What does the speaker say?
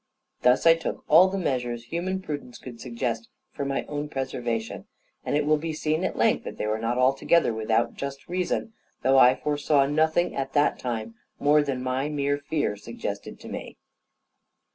Thus I took all the measures human prudence could suggest for my own preservation; and it will be seen at length that they were not altogether without just reason; though I foresaw nothing at that time more than my mere fear suggested to me.